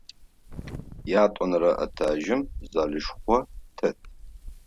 Ятӏонэрэ этажым залышхо тет.